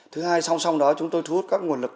thứ hai song song đó chúng tôi thu hút các nguồn lực